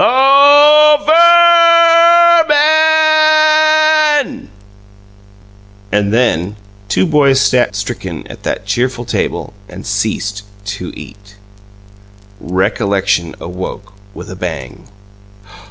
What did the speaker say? "OO O O O OH, VER ER ER MA A A AN!" And then two boys sat stricken at that cheerful table and ceased to eat. Recollection awoke with a bang!